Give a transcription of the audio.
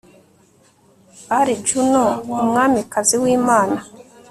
Ari Juno Umwamikazi w imana